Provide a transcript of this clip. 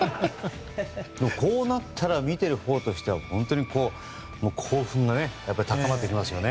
こうなったら見ているほうとしては本当に興奮が高まってきますよね。